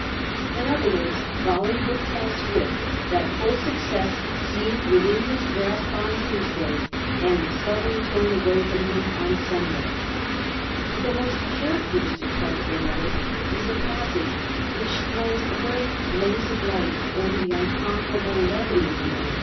' In other words, Bolingbroke tells Swift that fiill success seemed within his grasp on Tuesday, and was suddenly torn away from him on Sunday. But the most characteristic part of the letter is a passage Digiti zed by Google 1714 'IN A MONTH, IF YOU PLEASE.* 63 which throws a very hlaze of Kght over the uncon querable levity of the man.